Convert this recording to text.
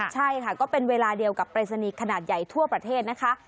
ใช่ค่ะก็เป็นเวลาเดียวกับปรายศนีย์ขนาดใหญ่ทั่วประเทศนะคะ